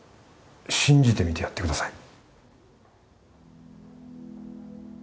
信じてみてやってください